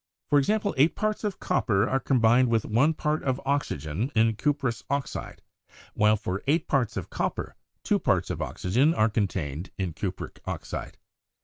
For example, 8 parts of copper are combined with 1 part of oxygen in cuprous oxide, while for 8 parts of copper, 2 parts of oxygen are contained in cupric oxide.